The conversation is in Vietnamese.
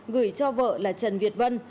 gửi cho vợ là trần việt vân